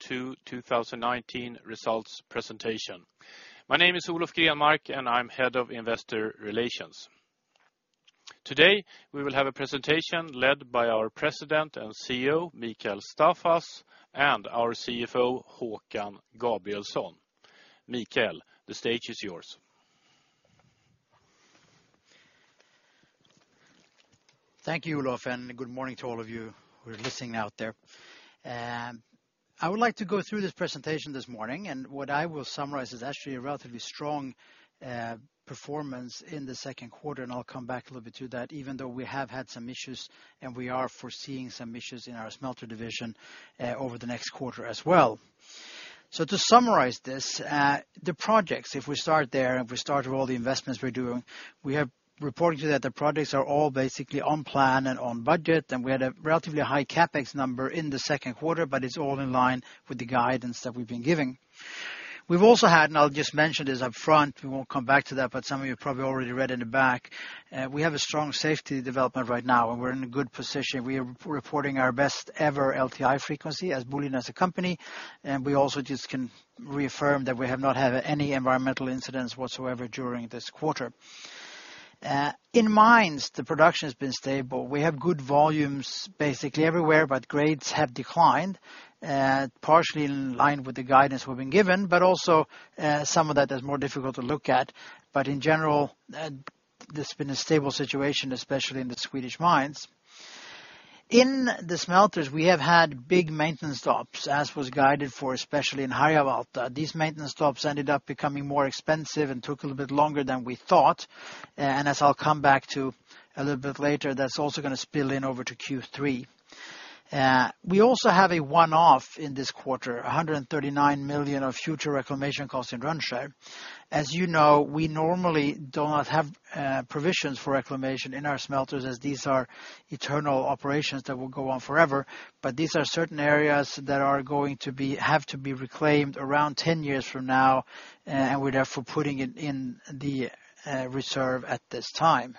2019 results presentation. My name is Olof Grenmark, and I'm Head of Investor Relations. Today, we will have a presentation led by our President and CEO, Mikael Staffas, and our CFO, Håkan Gabrielsson. Mikael, the stage is yours. Thank you, Olof, good morning to all of you who are listening out there. I would like to go through this presentation this morning. What I will summarize is actually a relatively strong performance in the second quarter. I'll come back a little bit to that, even though we have had some issues and we are foreseeing some issues in our smelter division over the next quarter as well. To summarize this, the projects, if we start there, if we start with all the investments we're doing, we are reporting to you that the projects are all basically on plan and on budget. We had a relatively high CapEx number in the second quarter, but it's all in line with the guidance that we've been giving. We've also had, I'll just mention this up front, we won't come back to that. Some of you probably already read in the back, we have a strong safety development right now, we're in a good position. We are reporting our best-ever LTI frequency as Boliden as a company. We also just can reaffirm that we have not had any environmental incidents whatsoever during this quarter. In mines, the production has been stable. We have good volumes basically everywhere, grades have declined, partially in line with the guidance we've been given, also some of that is more difficult to look at. In general, there's been a stable situation, especially in the Swedish mines. In the smelters, we have had big maintenance stops, as was guided for, especially in Harjavalta. These maintenance stops ended up becoming more expensive and took a little bit longer than we thought. As I'll come back to a little bit later, that's also going to spill in over to Q3. We also have a one-off in this quarter, 139 million of future reclamation costs in Rönnskär. As you know, we normally do not have provisions for reclamation in our smelters as these are eternal operations that will go on forever, these are certain areas that have to be reclaimed around 10 years from now, and we're therefore putting it in the reserve at this time.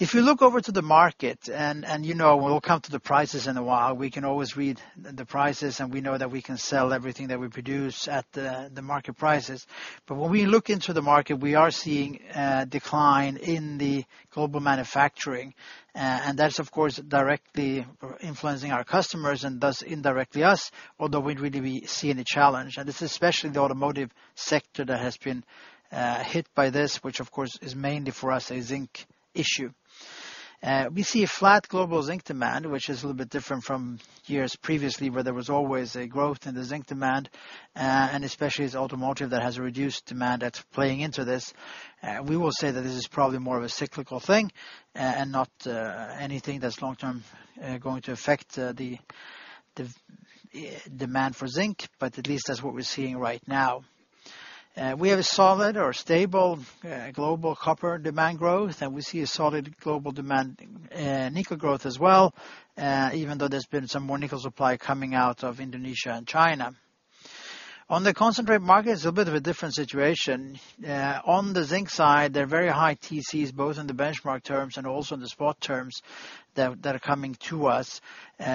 If you look over to the market, you know we'll come to the prices in a while, we can always read the prices, we know that we can sell everything that we produce at the market prices. When we look into the market, we are seeing a decline in the global manufacturing. That's, of course, directly influencing our customers and thus indirectly us, although we're really seeing a challenge. This is especially the automotive sector that has been hit by this, which, of course, is mainly for us a zinc issue. We see a flat global zinc demand, which is a little bit different from years previously, where there was always a growth in the zinc demand, and especially as automotive that has a reduced demand that's playing into this. We will say that this is probably more of a cyclical thing and not anything that's long-term going to affect the demand for zinc. At least that's what we're seeing right now. We have a solid or stable global copper demand growth. We see a solid global demand nickel growth as well, even though there's been some more nickel supply coming out of Indonesia and China. On the concentrate market, it's a bit of a different situation. On the zinc side, there are very high TCs, both in the benchmark terms and also in the spot terms that are coming to us.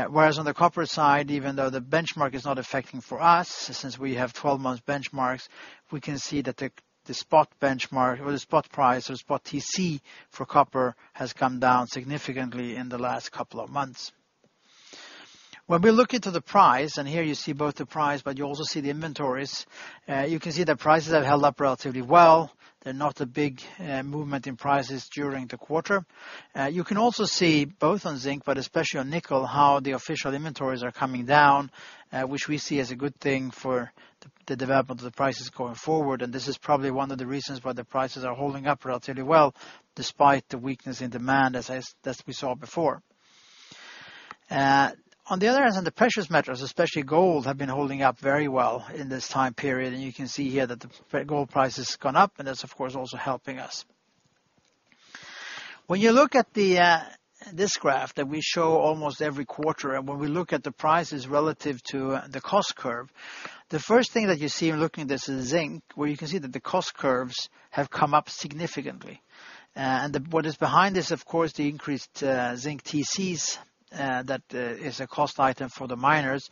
Whereas on the copper side, even though the benchmark is not affecting for us, since we have 12-month benchmarks, we can see that the spot benchmark or the spot price or spot TC for copper has come down significantly in the last couple of months. When we look into the price, here you see both the price, but you also see the inventories. You can see that prices have held up relatively well. There's not a big movement in prices during the quarter. You can also see both on zinc, but especially on nickel, how the official inventories are coming down, which we see as a good thing for the development of the prices going forward. This is probably one of the reasons why the prices are holding up relatively well despite the weakness in demand as we saw before. On the other end, on the precious metals, especially gold, have been holding up very well in this time period. You can see here that the gold price has gone up. That's, of course, also helping us. When you look at this graph that we show almost every quarter, when we look at the prices relative to the cost curve, the first thing that you see when looking at this is zinc, where you can see that the cost curves have come up significantly. What is behind this, of course, the increased zinc TCs that is a cost item for the miners.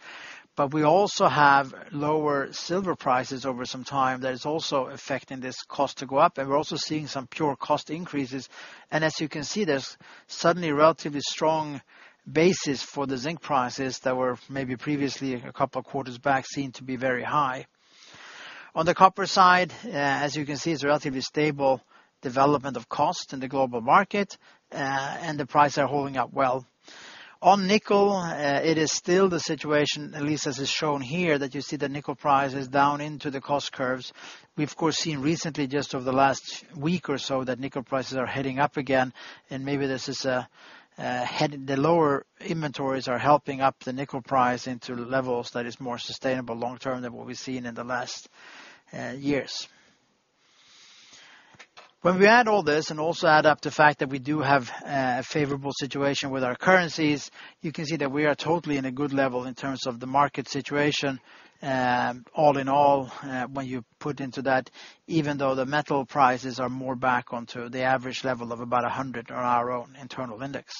We also have lower silver prices over some time that is also affecting this cost to go up. We're also seeing some pure cost increases. As you can see, there's suddenly relatively strong basis for the zinc prices that were maybe previously a couple of quarters back seen to be very high. On the copper side, as you can see, it's a relatively stable development of cost in the global market. The prices are holding up well. On nickel, it is still the situation, at least as is shown here, that you see the nickel price is down into the cost curves. We've, of course, seen recently just over the last week or so that nickel prices are heading up again, and maybe this is the lower inventories are helping up the nickel price into levels that is more sustainable long term than what we've seen in the last years. When we add all this and also add up the fact that we do have a favorable situation with our currencies, you can see that we are totally in a good level in terms of the market situation. All in all, when you put into that, even though the metal prices are more back onto the average level of about 100 on our own internal index.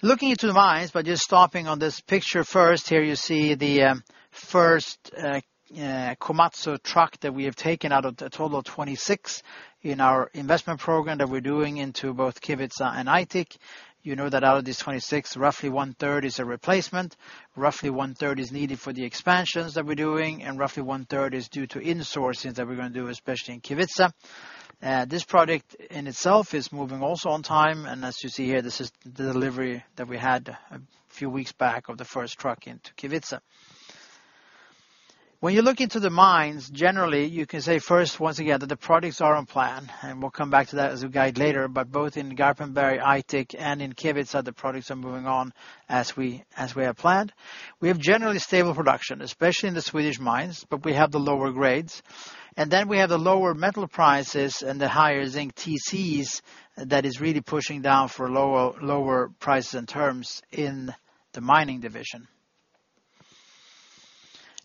Looking into the mines, but just stopping on this picture first. Here you see the first Komatsu truck that we have taken out of a total of 26 in our investment program that we're doing into both Kevitsa and Aitik. You know that out of these 26, roughly one-third is a replacement, roughly one-third is needed for the expansions that we're doing, and roughly one-third is due to insourcing that we're going to do, especially in Kevitsa. This project in itself is moving also on time, and as you see here, this is the delivery that we had a few weeks back of the first truck into Kevitsa. When you look into the mines, generally, you can say first, once again, that the projects are on plan, and we'll come back to that as we guide later, but both in Garpenberg, Aitik, and in Kevitsa, the projects are moving on as we have planned. We have generally stable production, especially in the Swedish mines, but we have the lower grades. We have the lower metal prices and the higher zinc TCs that is really pushing down for lower prices and terms in the mining division.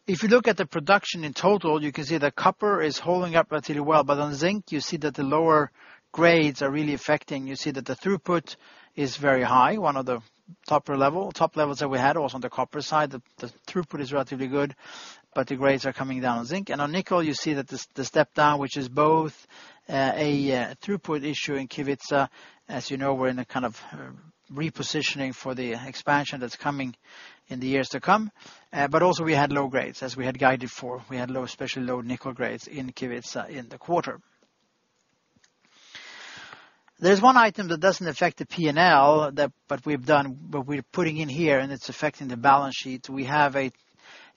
If you look at the production in total, you can see that copper is holding up relatively well, but on zinc you see that the lower grades are really affecting. You see that the throughput is very high, one of the top levels that we had. Also on the copper side, the throughput is relatively good, but the grades are coming down on zinc. On nickel, you see the step down, which is both a throughput issue in Kevitsa. As you know, we're in a kind of repositioning for the expansion that's coming in the years to come. Also we had low grades, as we had guided for. We had especially low nickel grades in Kevitsa in the quarter. There's one item that doesn't affect the P&L, but we've done what we're putting in here, and it's affecting the balance sheet. We have a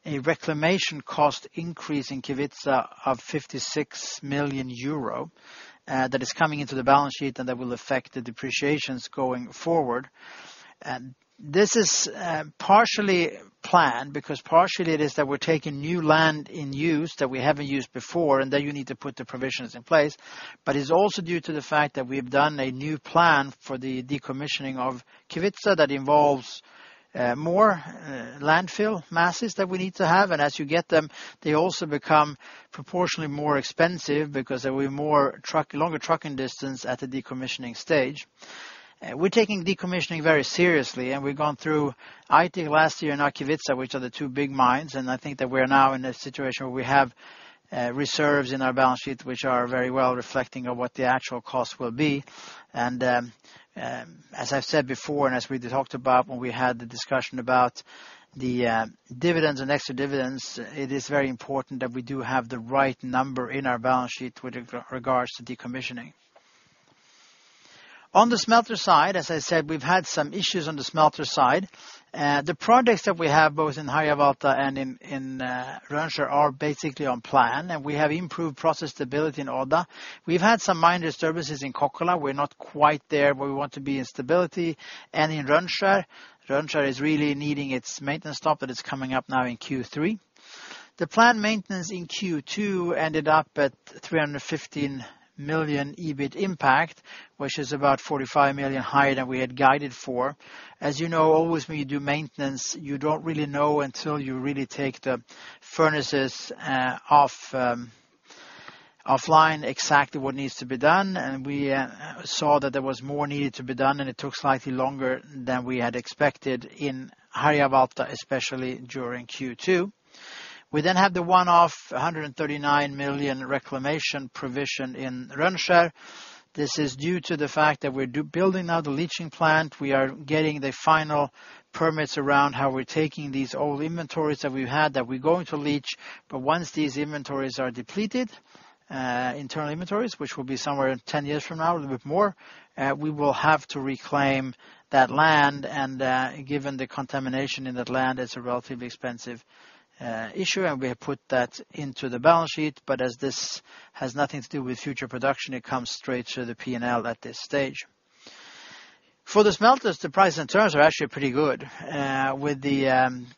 reclamation cost increase in Kevitsa of 56 million euro that is coming into the balance sheet, and that will affect the depreciations going forward. This is partially planned, because partially it is that we're taking new land in use that we haven't used before, and then you need to put the provisions in place. It's also due to the fact that we've done a new plan for the decommissioning of Kevitsa that involves more landfill masses that we need to have. As you get them, they also become proportionally more expensive because there will be longer trucking distance at the decommissioning stage. We're taking decommissioning very seriously. We've gone through Aitik last year and now Kevitsa, which are the two big mines. I think that we're now in a situation where we have reserves in our balance sheet which are very well reflecting on what the actual cost will be. As I've said before, as we talked about when we had the discussion about the dividends and extra dividends, it is very important that we do have the right number in our balance sheet with regards to decommissioning. On the smelter side, as I said, we've had some issues on the smelter side. The projects that we have both in Harjavalta and in Rönnskär are basically on plan, and we have improved process stability in Odda. We've had some minor disturbances in Kokkola. We're not quite there where we want to be in stability. In Rönnskär is really needing its maintenance stop that is coming up now in Q3. The plant maintenance in Q2 ended up at 315 million EBIT impact, which is about 45 million higher than we had guided for. As you know, always when you do maintenance, you don't really know until you really take the furnaces offline exactly what needs to be done. We saw that there was more needed to be done, and it took slightly longer than we had expected in Harjavalta, especially during Q2. We then had the one-off 139 million reclamation provision in Rönnskär. This is due to the fact that we're building now the leaching plant. We are getting the final permits around how we're taking these old inventories that we've had that we're going to leach. Once these inventories are depleted, internal inventories, which will be somewhere 10 years from now, a little bit more, we will have to reclaim that land. Given the contamination in that land, it's a relatively expensive issue, and we have put that into the balance sheet. As this has nothing to do with future production, it comes straight to the P&L at this stage. For the smelters, the price and terms are actually pretty good, with the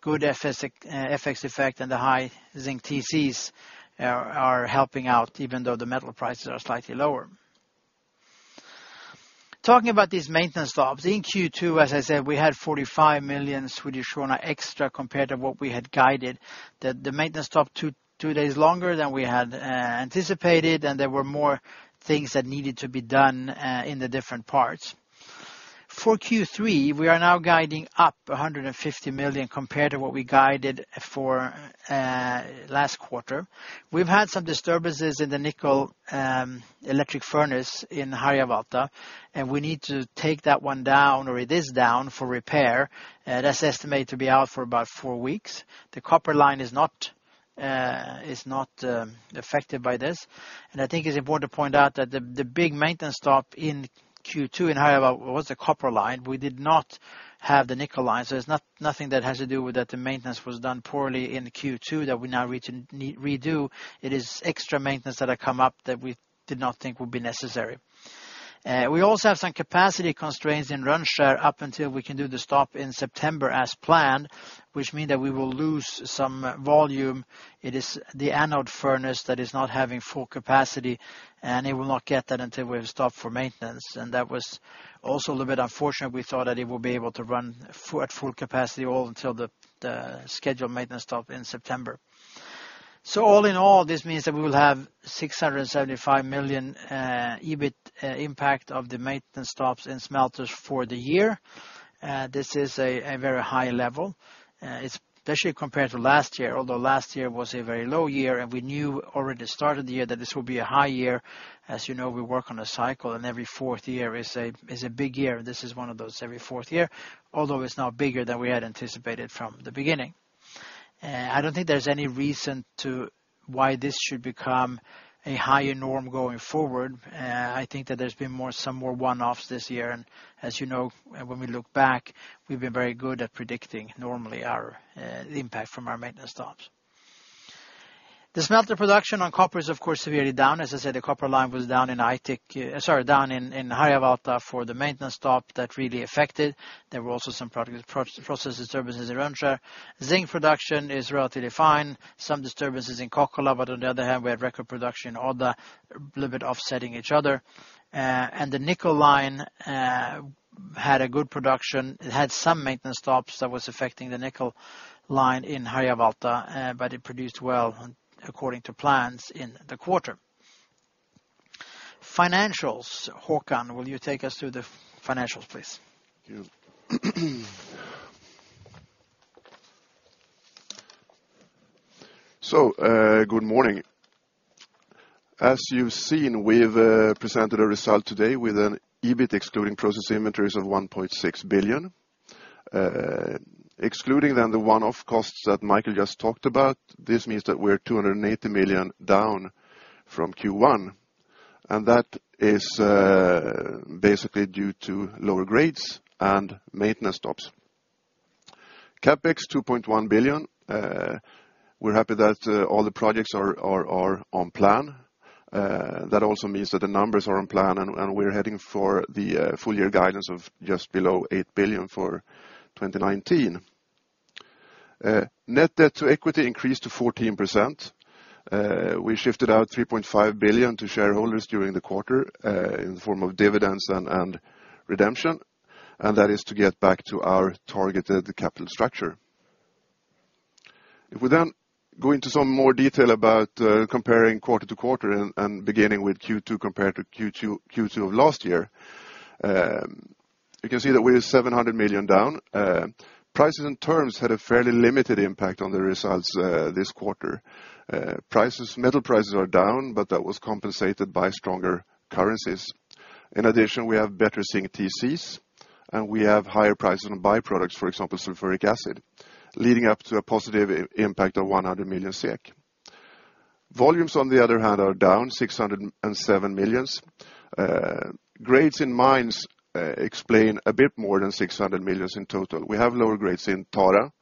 good FX effect and the high zinc TCs are helping out even though the metal prices are slightly lower. Talking about these maintenance stops, in Q2, as I said, we had 45 million Swedish krona extra compared to what we had guided. The maintenance stopped two days longer than we had anticipated, and there were more things that needed to be done in the different parts. For Q3, we are now guiding up 150 million compared to what we guided for last quarter. We've had some disturbances in the nickel electric furnace in Harjavalta. We need to take that one down, or it is down for repair. That's estimated to be out for about four weeks. The copper line is not affected by this. I think it's important to point out that the big maintenance stop in Q2 in Harjavalta was the copper line. We did not have the nickel line, it's nothing that has to do with that the maintenance was done poorly in Q2 that we now need to redo. It is extra maintenance that had come up that we did not think would be necessary. We also have some capacity constraints in Rönnskär up until we can do the stop in September as planned, which mean that we will lose some volume. It is the anode furnace that is not having full capacity. It will not get that until we have stopped for maintenance. That was also a little bit unfortunate. We thought that it would be able to run at full capacity all until the scheduled maintenance stop in September. All in all, this means that we will have 675 million EBIT impact of the maintenance stops in smelters for the year. This is a very high level, especially compared to last year, although last year was a very low year. We knew already start of the year that this will be a high year. As you know, we work on a cycle and every fourth year is a big year. This is one of those every fourth year, although it's now bigger than we had anticipated from the beginning. I don't think there's any reason to why this should become a higher norm going forward. I think that there's been some more one-offs this year. As you know, when we look back, we've been very good at predicting normally the impact from our maintenance stops. The smelter production on copper is, of course, severely down. As I said, the copper line was down in Harjavalta for the maintenance stop that really affected. There were also some process disturbances in Rönnskär. Zinc production is relatively fine. Some disturbances in Kokkola. On the other hand, we had record production in Odda, a little bit offsetting each other. The nickel line had a good production. It had some maintenance stops that was affecting the nickel line in Harjavalta. It produced well according to plans in the quarter. Financials. Håkan, will you take us through the financials, please? Thank you. Good morning. As you've seen, we've presented a result today with an EBIT excluding process inventories of 1.6 billion. Excluding then the one-off costs that Mikael just talked about, this means that we're 280 million down from Q1. That is basically due to lower grades and maintenance stops. CapEx 2.1 billion. We're happy that all the projects are on plan. That also means that the numbers are on plan. We're heading for the full year guidance of just below 8 billion for 2019. Net debt to equity increased to 14%. We shifted out 3.5 billion to shareholders during the quarter in the form of dividends and redemption. That is to get back to our targeted capital structure. Going into some more detail about comparing quarter-to-quarter and beginning with Q2 compared to Q2 of last year, you can see that we are 700 million down. Prices and terms had a fairly limited impact on the results this quarter. Metal prices are down, that was compensated by stronger currencies. In addition, we have better zinc TCs, we have higher prices on byproducts, for example, sulfuric acid, leading up to a positive impact of 100 million SEK. Volumes, on the other hand, are down 607 million. Grades in mines explain a bit more than 600 million in total. We have lower grades in Tara.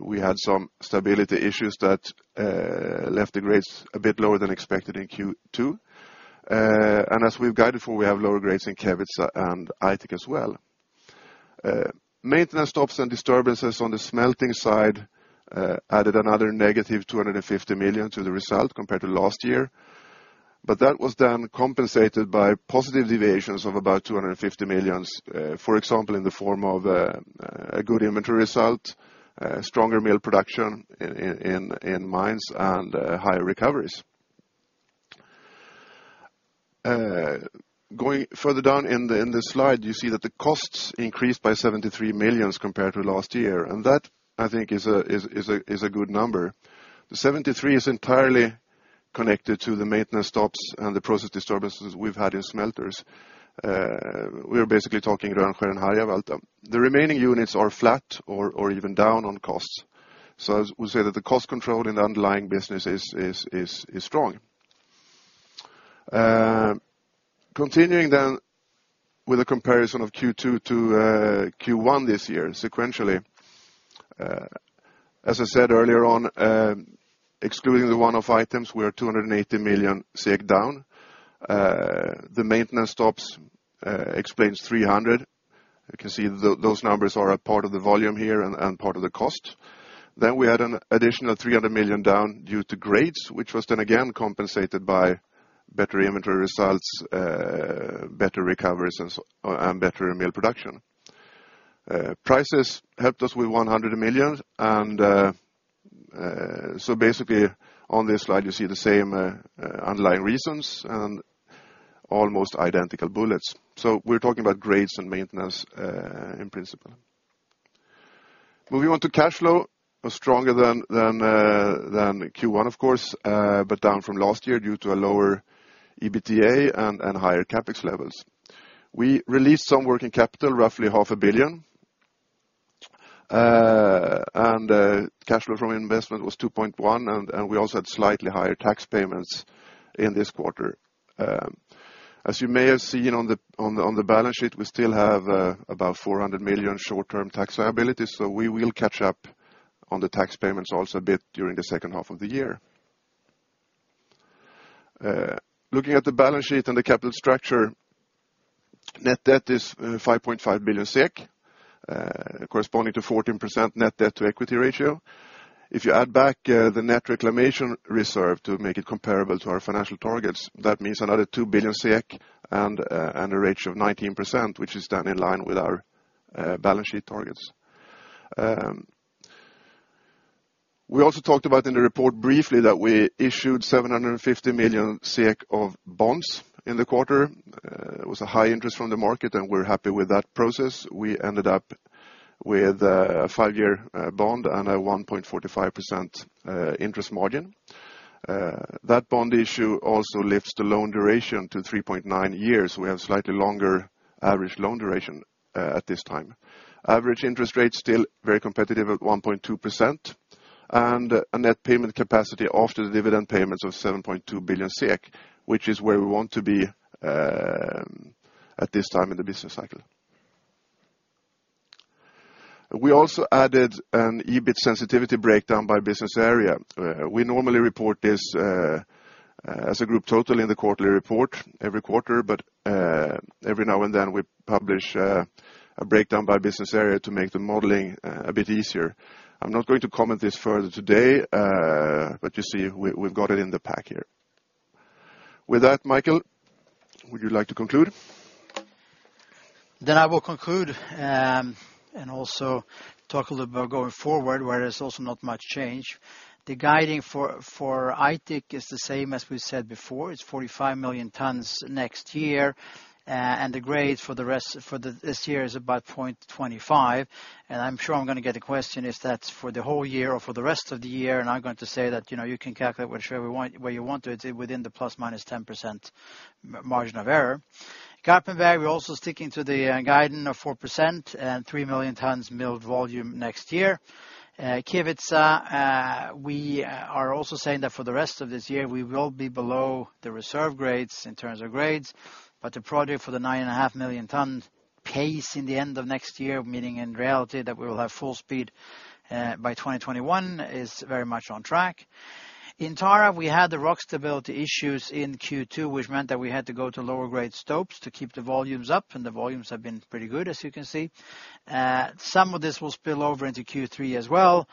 We had some stability issues that left the grades a bit lower than expected in Q2. As we've guided for, we have lower grades in Kevitsa and Aitik as well. Maintenance stops and disturbances on the smelting side added another -250 million to the result compared to last year. That was then compensated by positive deviations of about 250 million, for example, in the form of a good inventory result, stronger metal production in mines, and higher recoveries. Going further down in the slide, you see that the costs increased by 73 million compared to last year. That, I think is a good number. The 73 million is entirely connected to the maintenance stops and the process disturbances we've had in smelters. We are basically talking Rönnskär and Harjavalta. The remaining units are flat or even down on costs. I would say that the cost control in the underlying business is strong. Continuing with a comparison of Q2-Q1 this year, sequentially. As I said earlier on, excluding the one-off items, we are 280 million down. The maintenance stops explains 300 million. You can see those numbers are a part of the volume here and part of the cost. We had an additional 300 million down due to grades, which was then again compensated by better inventory results, better recoveries, and better metal production. Prices helped us with 100 million, basically on this slide you see the same underlying reasons and almost identical bullets. We're talking about grades and maintenance in principle. Moving on to cash flow. Stronger than Q1, of course, down from last year due to a lower EBITDA and higher CapEx levels. We released some working capital, roughly half a billion, cash flow from investment was 2.1 billion, we also had slightly higher tax payments in this quarter. As you may have seen on the balance sheet, we still have about 400 million short-term tax liabilities, we will catch up on the tax payments also a bit during the second half of the year. Looking at the balance sheet and the capital structure, net debt is 5.5 billion SEK, corresponding to a 14% net debt-to-equity ratio. If you add back the net reclamation reserve to make it comparable to our financial targets, that means another 2 billion and a ratio of 19%, which is then in line with our targets. Balance sheet targets. We also talked about in the report briefly that we issued 750 million SEK of bonds in the quarter. It was a high interest from the market, we're happy with that process. We ended up with a five-year bond and a 1.45% interest margin. That bond issue also lifts the loan duration to 3.9 years. We have slightly longer average loan duration at this time. Average interest rate is still very competitive at 1.2%, and a net payment capacity after the dividend payments of 7.2 billion SEK, which is where we want to be at this time in the business cycle. We also added an EBIT sensitivity breakdown by business area. We normally report this as a group total in the quarterly report every quarter, every now and then we publish a breakdown by business area to make the modeling a bit easier. I'm not going to comment this further today, you see we've got it in the pack here. Mikael, would you like to conclude? I will conclude, also talk a little about going forward, where there's also not much change. The guiding for Aitik is the same as we said before. It's 45 million tonnes next year, the grades for this year is about 0.25. I'm sure I'm going to get a question, is that for the whole year or for the rest of the year? I'm going to say that you can calculate whichever way you want to, it's within the ±10% margin of error. Garpenberg, we're also sticking to the guidance of 4% and 3 million tonnes milled volume next year. Kevitsa, we are also saying that for the rest of this year, we will be below the reserve grades in terms of grades, but the project for the nine and a half million tonne pace in the end of next year, meaning in reality that we will have full speed by 2021, is very much on track. In Tara, we had the rock stability issues in Q2, which meant that we had to go to lower grade stopes to keep the volumes up, the volumes have been pretty good, as you can see. Some of this will spill over into Q3 as well,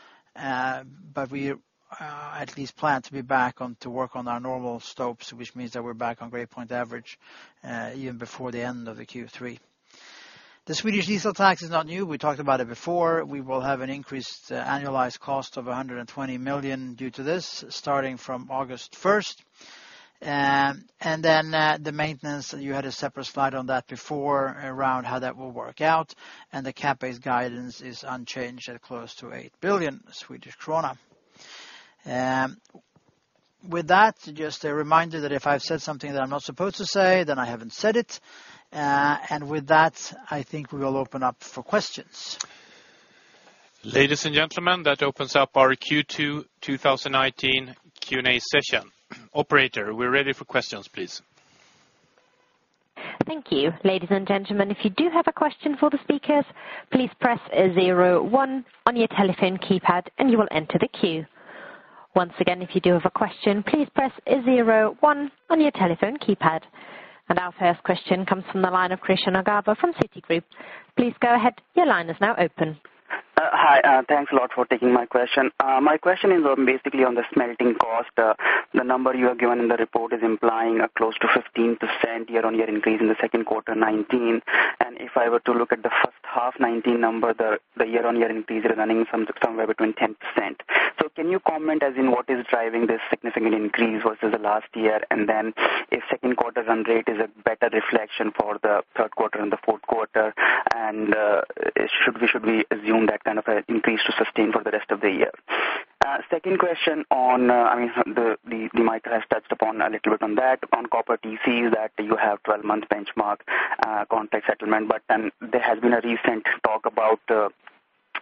we at least plan to be back on to work on our normal stopes, which means that we're back on grade plan average, even before the end of the Q3. The Swedish diesel tax is not new. We talked about it before. We will have an increased annualized cost of 120 million due to this, starting from August 1st. The maintenance, you had a separate slide on that before around how that will work out, the CapEx guidance is unchanged at close to 8 billion Swedish krona. Just a reminder that if I've said something that I'm not supposed to say, I haven't said it. I think we will open up for questions. Ladies and gentlemen, that opens up our Q2 2019 Q&A session. Operator, we're ready for questions, please. Thank you. Ladies and gentlemen, if you do have a question for the speakers, please press zer one on your telephone keypad and you will enter the queue. Once again, if you do have a question, please press zero one on your telephone keypad. Our first question comes from the line of Krishan Agarwal from Citigroup. Please go ahead. Your line is now open. Hi. Thanks a lot for taking my question. My question is basically on the smelting cost. The number you have given in the report is implying a close to 15% year-on-year increase in the second quarter 2019. If I were to look at the first half 2019 number, the year-on-year increase is running somewhere between 10%. Can you comment as in what is driving this significant increase versus last year? If second quarter run rate is a better reflection for the third quarter and the fourth quarter, should we assume that kind of an increase to sustain for the rest of the year? Second question on, Mikael has touched upon a little bit on that, on copper TCs that you have 12-month benchmark contract settlement, there has been a recent talk about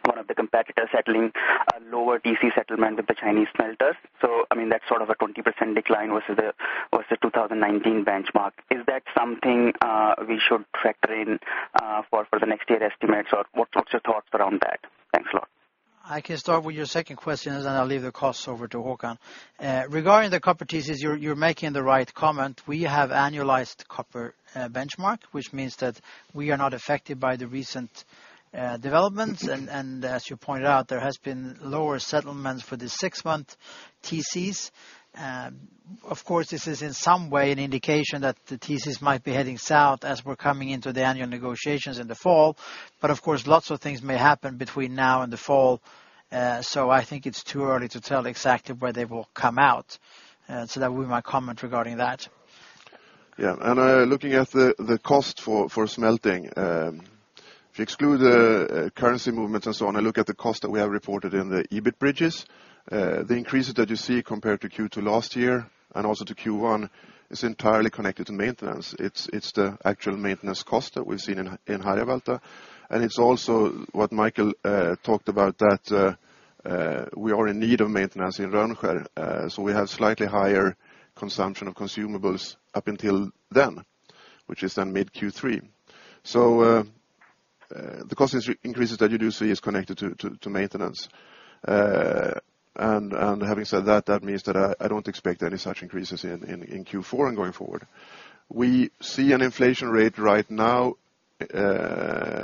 one of the competitors settling a lower TC settlement with the Chinese smelters. That's sort of a 20% decline versus the 2019 benchmark. Is that something we should factor in for the next year estimates? What's your thoughts around that? Thanks a lot. I can start with your second question, and then I'll leave the costs over to Håkan. Regarding the copper TCs, you're making the right comment. We have annualized copper benchmark, which means that we are not affected by the recent developments. As you pointed out, there has been lower settlements for the six-month TCs. Of course, this is in some way an indication that the TCs might be heading south as we're coming into the annual negotiations in the fall. Of course, lots of things may happen between now and the fall. I think it's too early to tell exactly where they will come out. That would be my comment regarding that. Yeah. Looking at the cost for smelting, if you exclude the currency movement and so on and look at the cost that we have reported in the EBIT bridges, the increases that you see compared to Q2 last year and also to Q1 is entirely connected to maintenance. It's the actual maintenance cost that we've seen in Harjavalta. It's also what Mikael talked about, that we are in need of maintenance in Rönnskär. We have slightly higher consumption of consumables up until then, which is then mid Q3. The cost increases that you do see is connected to maintenance. Having said that means that I don't expect any such increases in Q4 and going forward. We see an inflation rate right now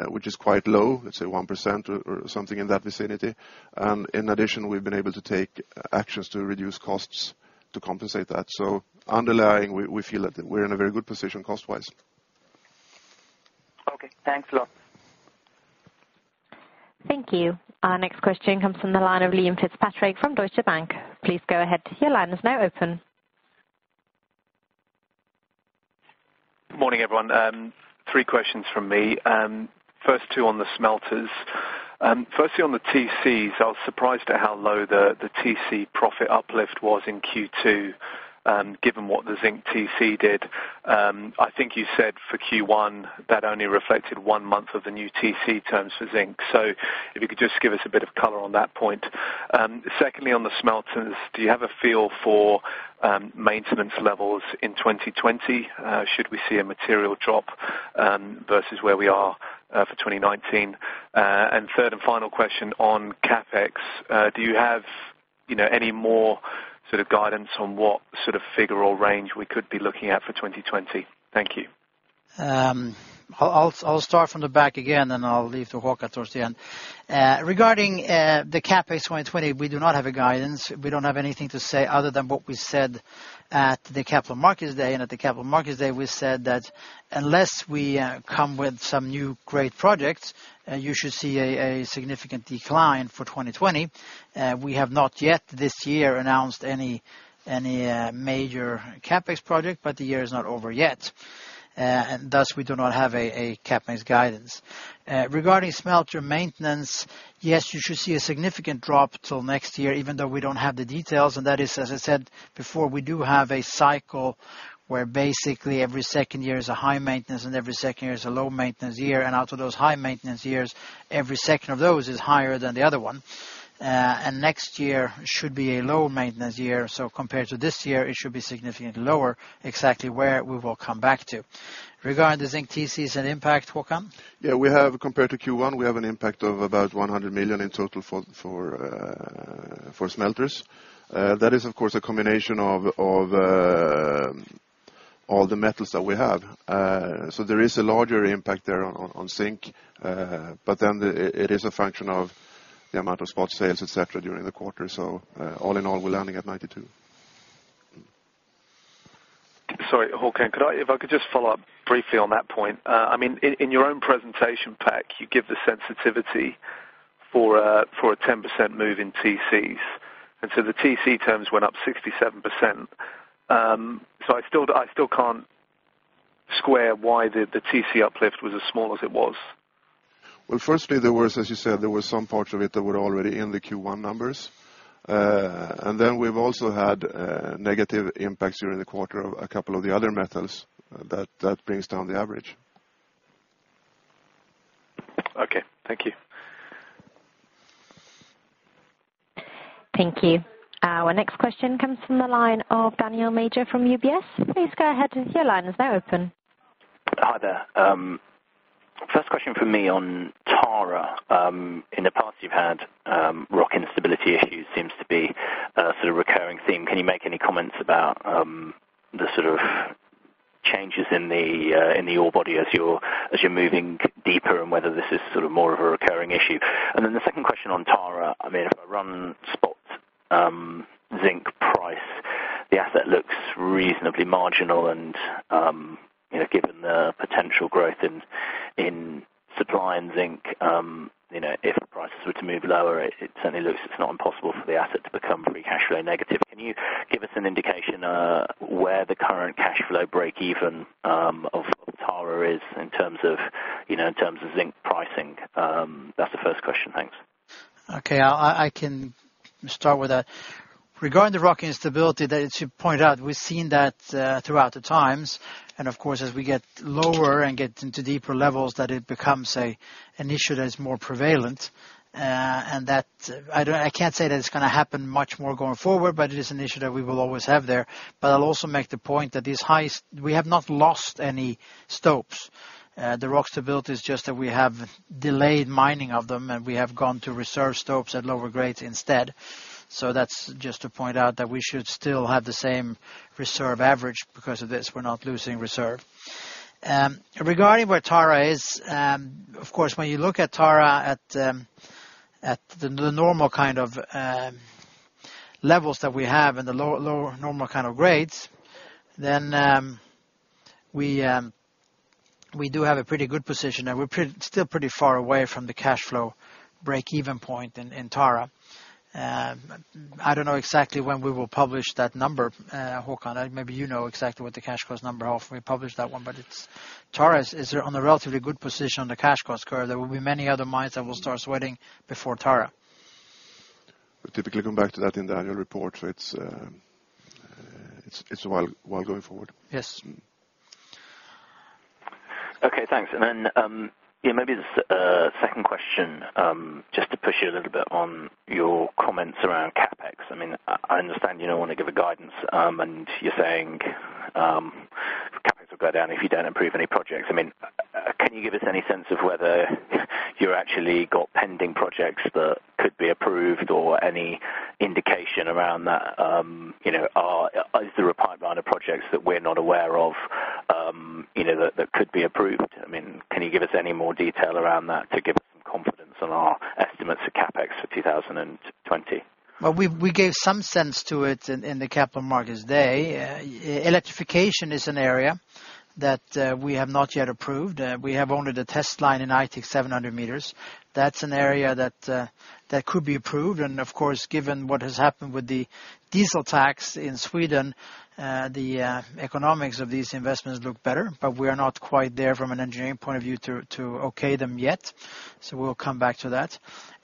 which is quite low, let's say 1% or something in that vicinity. In addition, we've been able to take actions to reduce costs to compensate that. Underlying, we feel that we're in a very good position cost-wise. Okay. Thanks a lot. Thank you. Our next question comes from the line of Liam Fitzpatrick from Deutsche Bank. Please go ahead. Your line is now open. Morning, everyone. Three questions from me. First two on the smelters. Firstly, on the TCs, I was surprised at how low the TC profit uplift was in Q2, given what the zinc TC did. I think you said for Q1 that only reflected one month of the new TC terms for zinc. If you could just give us a bit of color on that point. Secondly, on the smelters, do you have a feel for maintenance levels in 2020? Should we see a material drop versus where we are for 2019? Third and final question on CapEx, do you have any more sort of guidance on what sort of figure or range we could be looking at for 2020? Thank you. I'll start from the back again, I'll leave to Håkan towards the end. Regarding the CapEx 2020, we do not have a guidance. We don't have anything to say other than what we said at the Capital Markets Day, at the Capital Markets Day, we said that unless we come with some new great projects, you should see a significant decline for 2020. We have not yet this year announced any major CapEx project, the year is not over yet. Thus, we do not have a CapEx guidance. Regarding smelter maintenance, yes, you should see a significant drop till next year, even though we don't have the details, that is, as I said before, we do have a cycle where basically every second year is a high maintenance and every second year is a low maintenance year. Out of those high maintenance years, every second of those is higher than the other one. Next year should be a low maintenance year. Compared to this year, it should be significantly lower. Exactly where we will come back to. Regarding the zinc TCs and impact, Håkan? Yeah, compared to Q1, we have an impact of about 100 million in total for smelters. That is, of course, a combination of all the metals that we have. There is a larger impact there on zinc, it is a function of the amount of spot sales, et cetera, during the quarter. All in all, we're landing at 92. Sorry, Håkan, if I could just follow up briefly on that point. In your own presentation pack, you give the sensitivity for a 10% move in TCs. The TC terms went up 67%. I still can't square why the TC uplift was as small as it was. Well, firstly, as you said, there were some parts of it that were already in the Q1 numbers. We've also had negative impacts during the quarter of a couple of the other metals that brings down the average. Okay. Thank you. Thank you. Our next question comes from the line of Daniel Major from UBS. Please go ahead, your line is now open. Hi there. First question from me on Tara. In the past you've had rock instability issues, seems to be a sort of recurring theme. Can you make any comments about the sort of changes in the ore body as you're moving deeper and whether this is more of a recurring issue? The second question on Tara, if I run spot zinc price, the asset looks reasonably marginal and given the potential growth in supply and zinc, if prices were to move lower, it certainly looks it's not impossible for the asset to become free cash flow negative. Can you give us an indication where the current cash flow breakeven of Tara is in terms of zinc pricing? That's the first question. Thanks. Okay. I can start with that. Regarding the rock instability that you point out, we've seen that throughout the times, and of course, as we get lower and get into deeper levels, that it becomes an issue that is more prevalent. I can't say that it's going to happen much more going forward, but it is an issue that we will always have there. I'll also make the point that we have not lost any stopes. The rock stability is just that we have delayed mining of them, and we have gone to reserve stopes at lower grades instead. That's just to point out that we should still have the same reserve average because of this. We're not losing reserve. Regarding where Tara is, of course, when you look at Tara at the normal kind of levels that we have and the lower normal kind of grades, then we do have a pretty good position, and we're still pretty far away from the cash flow breakeven point in Tara. I don't know exactly when we will publish that number. Håkan, maybe you know exactly what the cash cost number of when we publish that one. Tara is on a relatively good position on the cash cost curve. There will be many other mines that will start sweating before Tara. We typically come back to that in the annual report. It's a while going forward. Yes. Okay, thanks. Maybe the second question, just to push you a little bit on your comments around CapEx. I understand you don't want to give a guidance, you're saying CapEx will go down if you don't approve any projects. Can you give us any sense of whether you actually got pending projects that could be approved or any indication around that are projects that we're not aware of that could be approved? Can you give us any more detail around that to give us some confidence on our estimates of CapEx for 2020? Well, we gave some sense to it in the capital markets day. Electrification is an area that we have not yet approved. We have only the test line in Aitik, 700 meters. That's an area that could be approved, of course, given what has happened with the diesel tax in Sweden, the economics of these investments look better, but we're not quite there from an engineering point of view to okay them yet, we'll come back to that.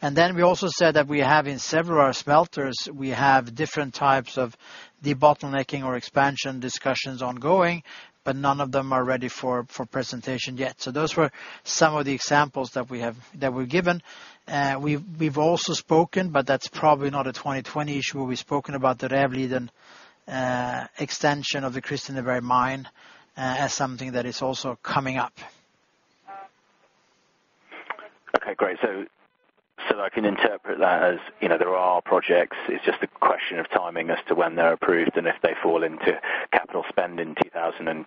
We also said that we have in several smelters, we have different types of debottlenecking or expansion discussions ongoing, but none of them are ready for presentation yet. Those were some of the examples that were given. We've also spoken, but that's probably not a 2020 issue. We've spoken about the Revliden extension of the Kristineberg mine as something that is also coming up. Okay, great. I can interpret that as there are projects, it's just a question of timing as to when they're approved and if they fall into capital spend in 2020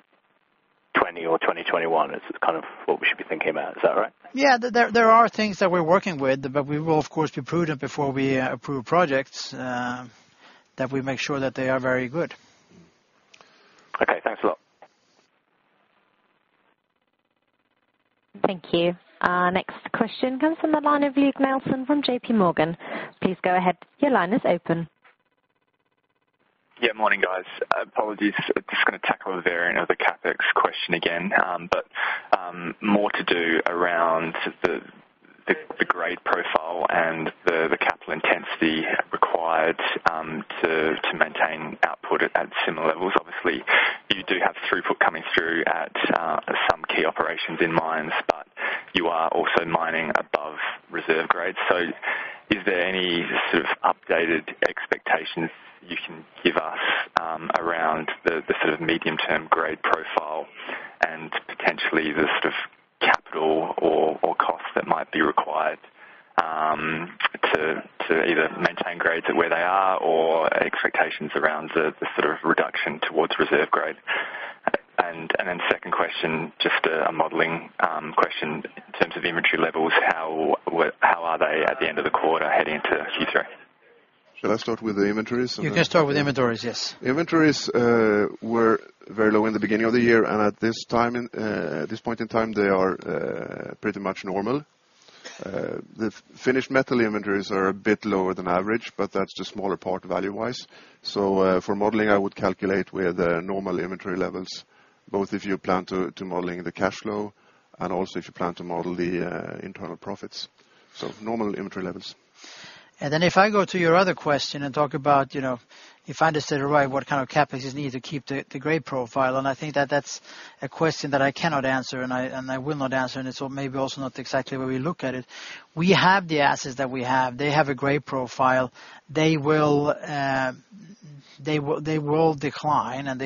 or 2021 is kind of what we should be thinking about. Is that right? Yeah. There are things that we're working with, we will, of course, be prudent before we approve projects, that we make sure that they are very good. Okay, thanks a lot. Thank you. Our next question comes from the line of Luke Nelson from JPMorgan. Please go ahead. Your line is open. Yeah, morning, guys. Apologies. Just going to tackle a variant of the CapEx question again, more to do around the grade profile and the capital intensity required to maintain output at similar levels. Obviously, you do have throughput coming through at some key operations in mines, you are also mining above reserve grades. Is there any sort of updated expectations you can give us around the sort of medium-term grade profile and potentially the sort of capital or cost that might be required to either maintain grades at where they are or expectations around the sort of reduction towards reserve grade? Second question, just a modeling question in terms of inventory levels, how are they at the end of the quarter heading into Q3? Shall I start with the inventories? You can start with inventories, yes. Inventories were very low in the beginning of the year, and at this point in time, they are pretty much normal. The finished metal inventories are a bit lower than average, but that's the smaller part value-wise. For modeling, I would calculate with the normal inventory levels, both if you plan to modeling the cash flow and also if you plan to model the internal profits, so normal inventory levels. If I go to your other question and talk about, if I understand it right, what kind of CapEx is needed to keep the grade profile, and I think that that's a question that I cannot answer, and I will not answer, and it's maybe also not exactly where we look at it. We have the assets that we have. They have a grade profile. They will decline, and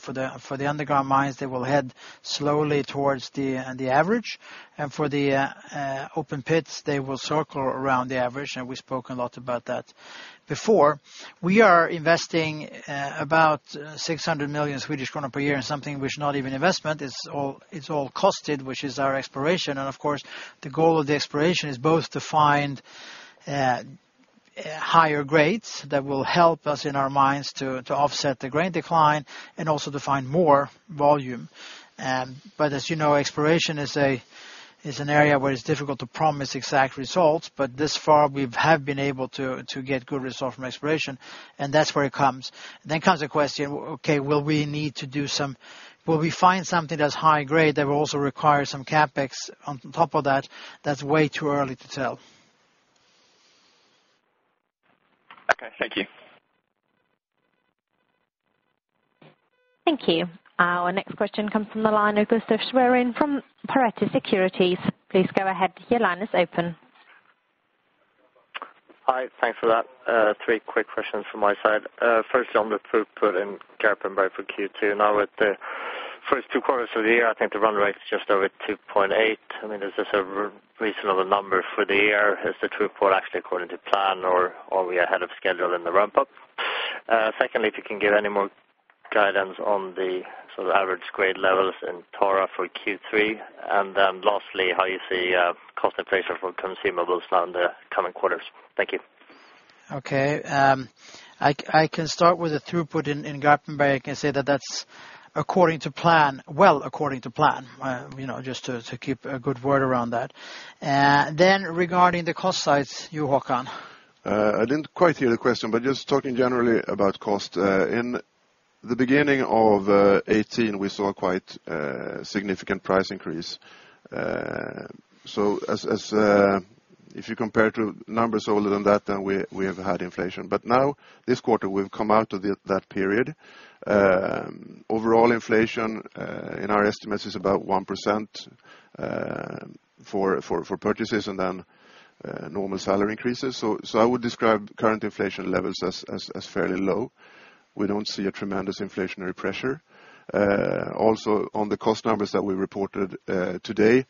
for the underground mines, they will head slowly towards the average, and for the open pits, they will circle around the average, and we spoke a lot about that before. We are investing about 600 million Swedish kronor per year in something which not even investment, it's all costed, which is our exploration. Of course, the goal of the exploration is both to find higher grades that will help us in our mines to offset the grade decline and also to find more volume. As you know, exploration is an area where it's difficult to promise exact results, but thus far we have been able to get good results from exploration, and that's where it comes. Comes the question, okay, will we find something that's high-grade that will also require some CapEx on top of that? That's way too early to tell. Okay. Thank you. Thank you. Our next question comes from the line of Gustaf Sveurin from Pareto Securities. Please go ahead. Your line is open. Hi, thanks for that. Three quick questions from my side. Firstly, on the throughput in Garpenberg for Q2. Now with the first two quarters of the year, I think the run rate is just over 2.8. Is this a reasonable number for the year? Is the throughput actually according to plan, or are we ahead of schedule in the ramp-up? Secondly, if you can give any more guidance on the sort of average grade levels in Tara for Q3. Lastly, how you see cost inflation for consumables now in the coming quarters. Thank you. Okay. I can start with the throughput in Garpenberg and say that that's according to plan, well according to plan, just to keep a good word around that. Regarding the cost sides, Håkan. I didn't quite hear the question, but just talking generally about cost. In the beginning of 2018, we saw quite a significant price increase. If you compare to numbers older than that, we have had inflation. Now this quarter, we've come out of that period. Overall inflation in our estimates is about 1% for purchases and normal salary increases. I would describe current inflation levels as fairly low. We don't see a tremendous inflationary pressure. Also, on the cost numbers that we reported today,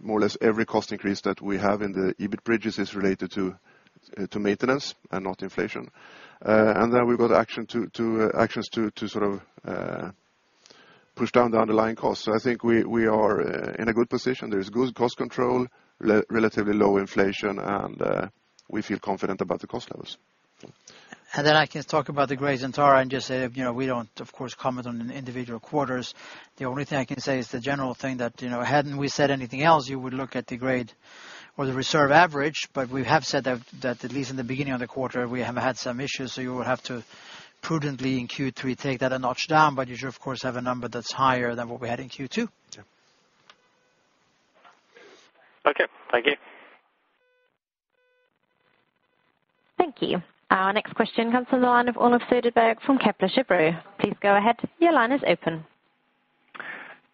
more or less every cost increase that we have in the EBIT bridges is related to maintenance and not inflation. We've got actions to sort of push down the underlying costs. I think we are in a good position. There is good cost control, relatively low inflation, and we feel confident about the cost levels. I can talk about the grades in Tara and just say, we don't, of course, comment on individual quarters. The only thing I can say is the general thing that hadn't we said anything else, you would look at the grade or the reserve average, we have said that at least in the beginning of the quarter, we have had some issues. You will have to prudently in Q3 take that a notch down, you should of course have a number that's higher than what we had in Q2. Yeah. Okay. Thank you. Thank you. Our next question comes from the line of Olaf Söderberg from Kepler Cheuvreux. Please go ahead. Your line is open.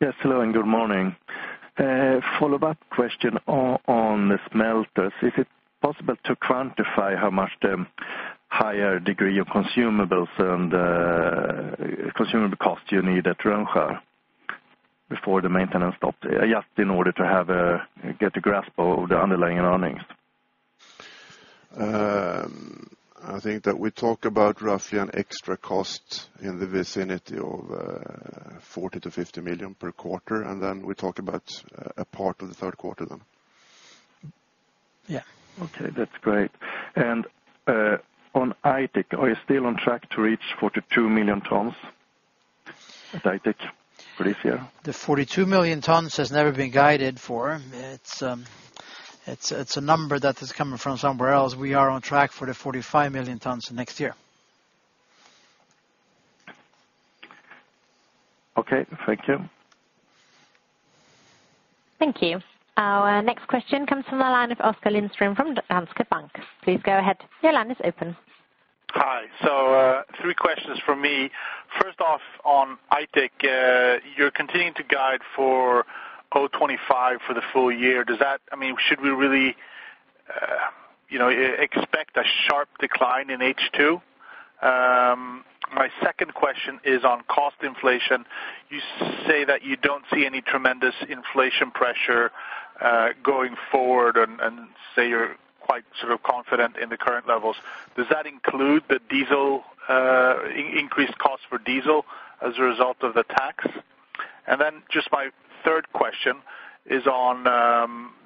Yes, hello and good morning. A follow-up question on the smelters. Is it possible to quantify how much the higher degree of consumables and consumable cost you need at Rönnskär before the maintenance stopped? Just in order to get a grasp of the underlying earnings. I think that we talk about roughly an extra cost in the vicinity of 40 million-50 million per quarter, and then we talk about a part of the third quarter then. Yeah. Okay, that's great. On Aitik, are you still on track to reach 42 million tons at Aitik for this year? The 42 million tons has never been guided for. It's a number that is coming from somewhere else. We are on track for the 45 million tons next year. Okay, thank you. Thank you. Our next question comes from the line of Oskar Lindström from Danske Bank. Please go ahead. Your line is open. Hi. Three questions from me. First off on Aitik, you're continuing to guide for 2025 for the full year. Should we really expect a sharp decline in H2? My second question is on cost inflation. You say that you don't see any tremendous inflation pressure going forward and say you're quite sort of confident in the current levels. Does that include the increased cost for diesel as a result of the tax? Just my third question is on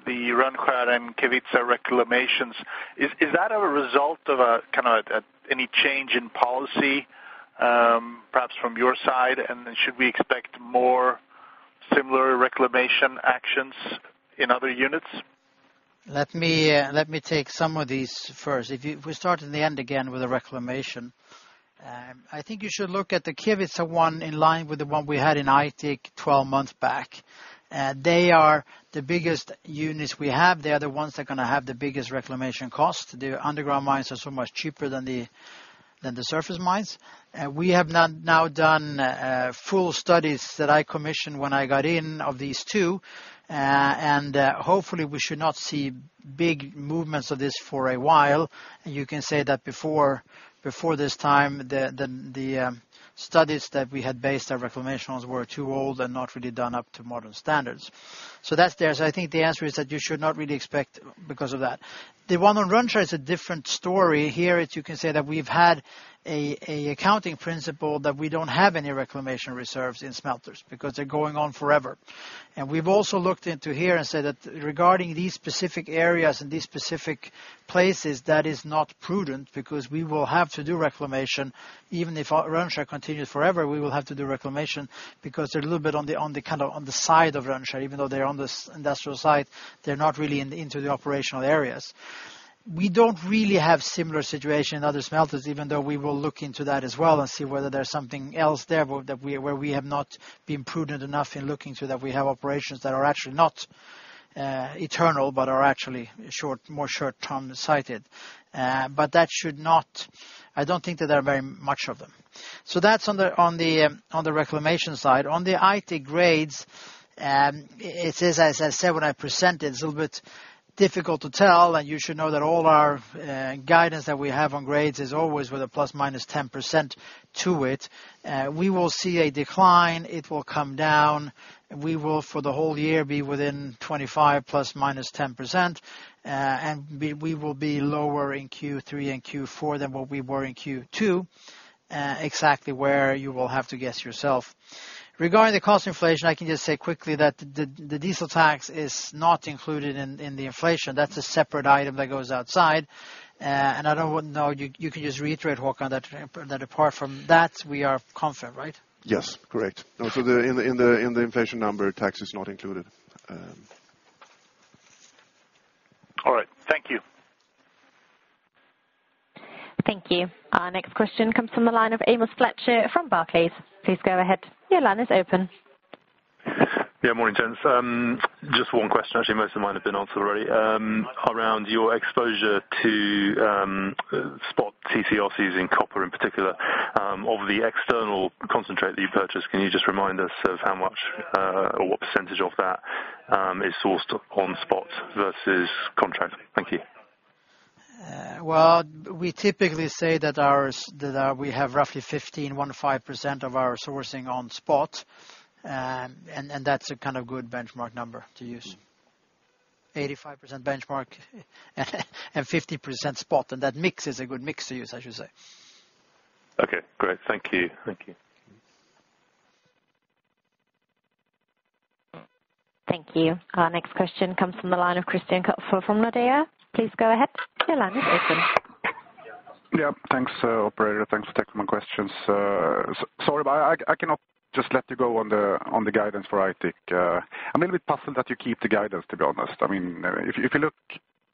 the Rönnskär and Kevitsa reclamations. Is that a result of any change in policy, perhaps from your side? Should we expect more similar reclamation actions in other units? Let me take some of these first. If we start in the end again with the reclamation, I think you should look at the Kevitsa one in line with the one we had in Aitik 12 months back. They are the biggest units we have. They are the ones that are going to have the biggest reclamation cost. The underground mines are so much cheaper than the surface mines. We have now done full studies that I commissioned when I got in of these two. Hopefully we should not see big movements of this for a while. You can say that before this time, the studies that we had based our reclamations were too old and not really done up to modern standards. That's there. I think the answer is that you should not really expect because of that. The one on Rönnskär is a different story. Here you can say that we've had an accounting principle that we don't have any reclamation reserves in smelters because they're going on forever. We've also looked into here and said that regarding these specific areas and these specific places, that is not prudent because we will have to do reclamation, even if Rönnskär continues forever, we will have to do reclamation because they're a little bit on the side of Rönnskär, even though they're on the industrial site, they're not really into the operational areas. We don't really have similar situation in other smelters, even though we will look into that as well and see whether there's something else there where we have not been prudent enough in looking through that we have operations that are actually not eternal, but are actually more short-term cited. I don't think that there are very much of them. That's on the reclamation side. On the Aitik grades, it is, as I said, when I present it's a little bit difficult to tell, and you should know that all our guidance that we have on grades is always with a ±10% to it. We will see a decline, it will come down. We will, for the whole year, be within 25 ±10%, and we will be lower in Q3 and Q4 than what we were in Q2. Exactly where you will have to guess yourself. Regarding the cost inflation, I can just say quickly that the diesel tax is not included in the inflation. That's a separate item that goes outside. I don't know, you can just reiterate, Håkan, that apart from that, we are confident, right? Yes. Correct. In the inflation number, tax is not included. All right. Thank you. Thank you. Our next question comes from the line of Amos Fletcher from Barclays. Please go ahead. Your line is open. Yeah, morning, gents. Just one question. Actually, most of mine have been answered already. Around your exposure to spot TC/RCs in copper in particular. Of the external concentrate that you purchase, can you just remind us of how much, or what percentage of that is sourced on spot versus contract? Thank you. Well, we typically say that we have roughly 15% of our sourcing on spot, and that's a kind of good benchmark number to use. 85% benchmark and 50% spot, and that mix is a good mix to use, I should say. Okay, great. Thank you. Thank you. Our next question comes from the line of Christian Kopfer from Nordea. Please go ahead. Your line is open. Thanks, operator. Thanks for taking my questions. Sorry, I cannot just let you go on the guidance for Aitik. I am a little bit puzzled that you keep the guidance, to be honest. If you look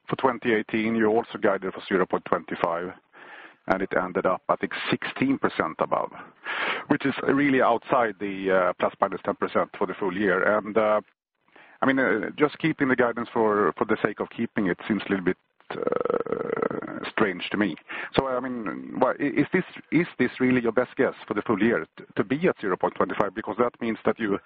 for 2018, you also guided for 0.25, and it ended up, I think, 16% above, which is really outside the ±10% for the full year. Just keeping the guidance for the sake of keeping it seems a little bit strange to me. Is this really your best guess for the full year to be at 0.25? That means that you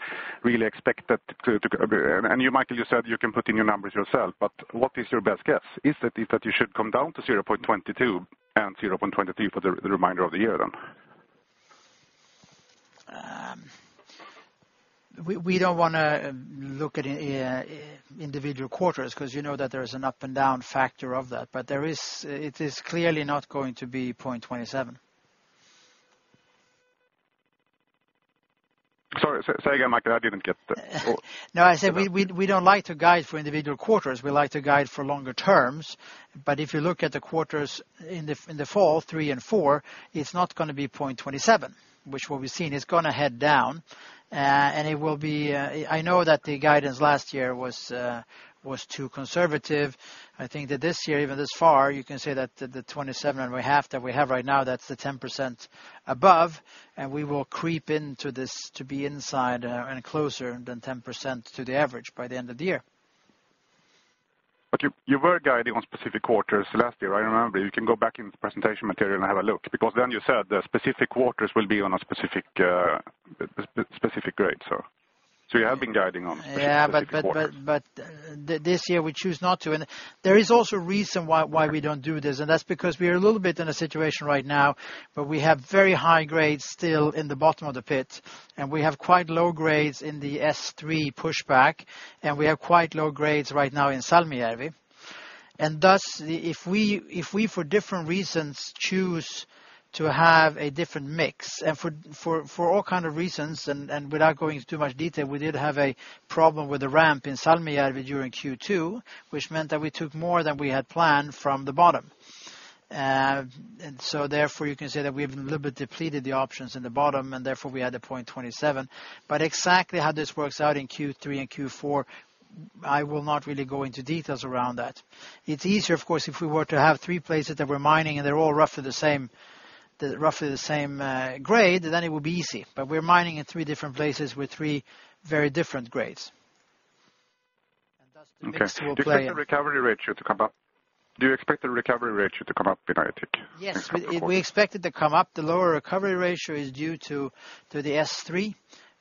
really expect that Mikael, you said you can put in your numbers yourself, what is your best guess? Is it that you should come down to 0.22 and 0.23 for the remainder of the year? We don't want to look at individual quarters because you know that there is an up and down factor of that, it is clearly not going to be 0.27. Sorry, say again, Mikael, I didn't get that. I said we don't like to guide for individual quarters, we like to guide for longer terms. But if you look at the quarters in the fall, three and four, it's not going to be 0.27, which what we've seen is going to head down. I know that the guidance last year was too conservative. I think that this year, even this far, you can say that the 27.5 that we have right now, that's the 10% above, and we will creep into this to be inside and closer than 10% to the average by the end of the year. You were guiding on specific quarters last year, I remember. You can go back into the presentation material and have a look, because then you said the specific quarters will be on a specific grade. You have been guiding on specific quarters. This year we choose not to. There is also a reason why we don't do this, and that's because we are a little bit in a situation right now where we have very high grades still in the bottom of the pit, and we have quite low grades in the S3 pushback, and we have quite low grades right now in Salmijärvi. Thus, if we for different reasons choose to have a different mix and for all kind of reasons and without going into too much detail, we did have a problem with the ramp in Salmijärvi during Q2, which meant that we took more than we had planned from the bottom. Therefore you can say that we've a little bit depleted the options in the bottom, and therefore we had the 0.27. Exactly how this works out in Q3 and Q4, I will not really go into details around that. It's easier, of course, if we were to have three places that we're mining and they're all roughly the same grade, then it would be easy. We're mining at three different places with three very different grades. Thus the mix will play. Okay. Do you expect the recovery ratio to come up? Do you expect the recovery ratio to come up in Aitik in the coming quarters? Yes. We expect it to come up. The lower recovery ratio is due to the S3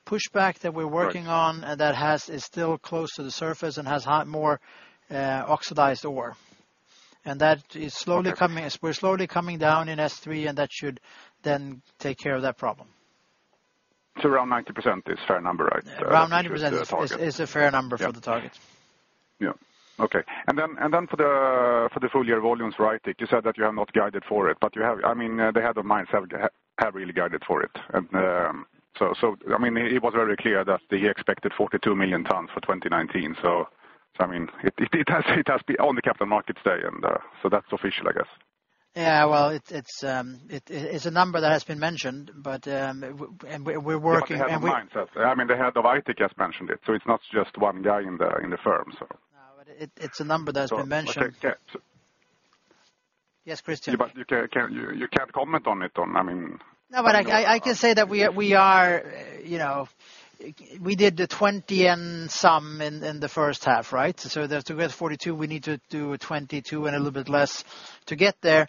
pushback that we're working on, and that is still close to the surface and has more oxidized ore. That we're slowly coming down in S3, and that should then take care of that problem. Around 90% is fair number, right? Around 90%. Is the target. A fair number for the target. Yeah. Okay. For the full year volumes for Aitik, you said that you have not guided for it, but the head of mines have really guided for it. It was very clear that he expected 42 million tonnes for 2019, it has been on the Capital Markets Day that's official, I guess. Yeah. It's a number that has been mentioned, but we're working. Yeah, the head of mines has said. The head of Aitik has mentioned it, so it's not just one guy in the firm. No, it's a number that has been mentioned. Okay. Yeah. Yes, Christian. You can't comment on it, I mean. No, I can say that we did the 20 and some in the first half, right? To get 42, we need to do 22 and a little bit less to get there.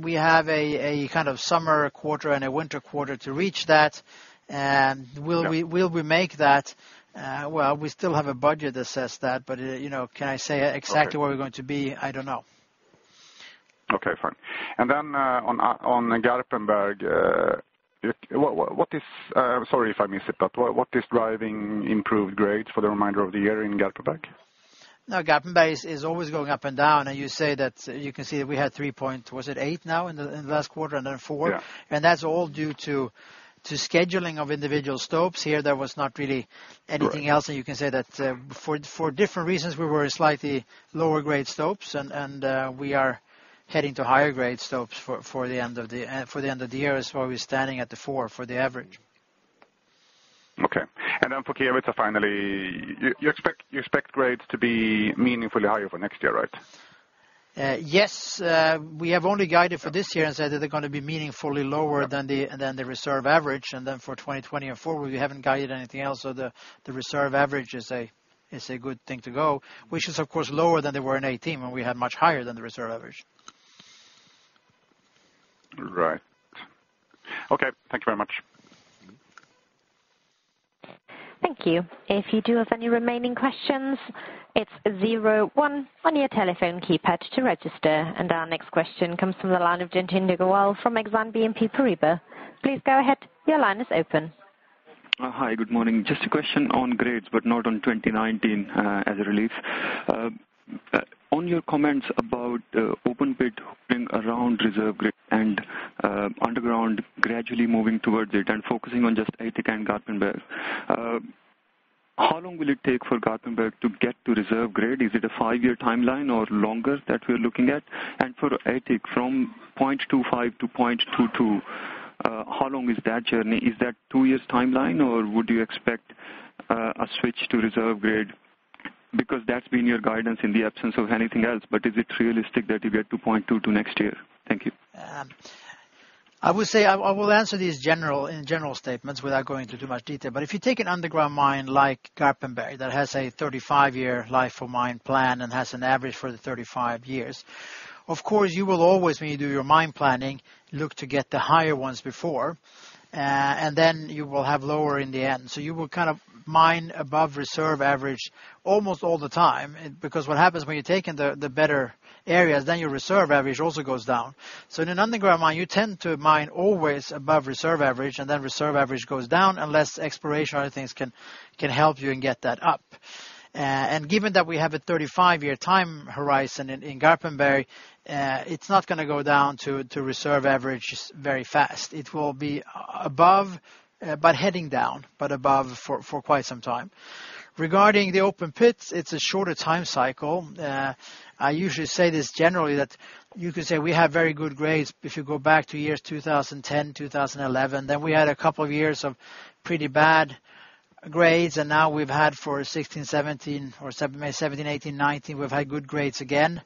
We have a summer quarter and a winter quarter to reach that. Will we make that? Well, we still have a budget that says that, can I say exactly where we're going to be? I don't know. Okay, fine. Then on Garpenberg, sorry if I missed it, what is driving improved grades for the remainder of the year in Garpenberg? No, Garpenberg is always going up and down, and you can see that we had 3.8 now in the last quarter, and then four? Yeah. That's all due to scheduling of individual stopes. Here, there was not really anything else. You can say that for different reasons we were slightly lower grade stopes and we are heading to higher grade stopes for the end of the year. That's why we're standing at the four for the average. Okay. Then for Kiirunvaara finally, you expect grades to be meaningfully higher for next year, right? Yes. We have only guided for this year and said that they're going to be meaningfully lower than the reserve average, and then for 2020 and forward, we haven't guided anything else. The reserve average is a good thing to go, which is of course lower than they were in 2018 when we had much higher than the reserve average. Right. Okay. Thank you very much. Thank you. If you do have any remaining questions, it's zero one on your telephone keypad to register. Our next question comes from the line of Jatinder Goel from Exane BNP Paribas. Please go ahead. Your line is open. Hi, good morning. Just a question on grades, not on 2019 as a relief. On your comments about open pit being around reserve grade and underground gradually moving towards it and focusing on just Aitik and Garpenberg. How long will it take for Garpenberg to get to reserve grade? Is it a five-year timeline or longer that we're looking at? And for Aitik from 0.25-0.22, how long is that journey? Is that two years timeline or would you expect a switch to reserve grade? That's been your guidance in the absence of anything else, but is it realistic that you get to 0.22 next year? Thank you. I will answer these in general statements without going into too much detail. If you take an underground mine like Garpenberg that has a 35-year life of mine plan and has an average for the 35 years, of course you will always, when you do your mine planning, look to get the higher ones before, and then you will have lower in the end. You will mine above reserve average almost all the time. What happens when you take in the better areas, then your reserve average also goes down. In an underground mine, you tend to mine always above reserve average, and then reserve average goes down unless exploration or other things can help you and get that up. Given that we have a 35-year time horizon in Garpenberg, it's not going to go down to reserve average very fast. It will be above, but heading down, but above for quite some time. Regarding the open pits, it's a shorter time cycle. I usually say this generally that you could say we have very good grades if you go back to years 2010, 2011. We had a couple of years of pretty bad grades, and now we've had for 2016, 2017 or 2017, 2018, 2019, we've had good grades again.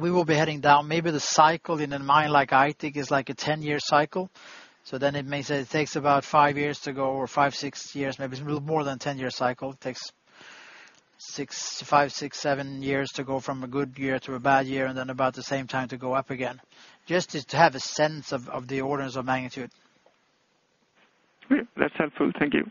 We will be heading down. Maybe the cycle in a mine like Aitik is like a 10-year cycle. It may say it takes about five years to go or five, six years, maybe a little more than 10-year cycle. It takes five, six, seven years to go from a good year to a bad year, and then about the same time to go up again. Just to have a sense of the orders of magnitude. Okay. That's helpful. Thank you.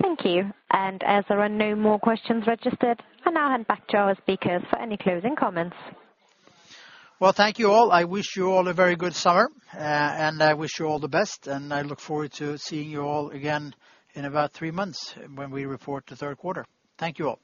Thank you. As there are no more questions registered, I now hand back to our speakers for any closing comments. Thank you all. I wish you all a very good summer, and I wish you all the best, and I look forward to seeing you all again in about three months when we report the third quarter. Thank you all.